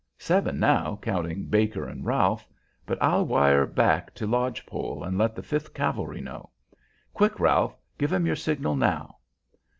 "Seven now, counting Baker and Ralph; but I'll wire right back to Lodge Pole and let the Fifth Cavalry know. Quick, Ralph, give 'em your signal now!"